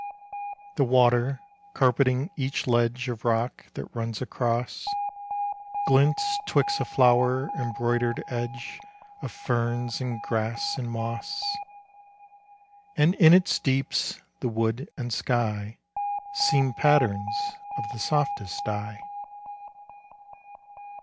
The water, carpeting each ledge Of rock that runs across, Glints 'twixt a flow'r embroidered edge Of ferns and grass and moss; And in its deeps the wood and sky Seem patterns of the softest dye.